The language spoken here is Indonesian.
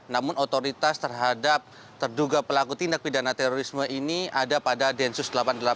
namun otoritas terhadap terduga pelaku tindak pidana terorisme ini ada pada densus delapan puluh delapan